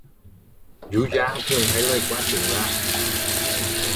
Du gia thường hay lời qua tiếng lại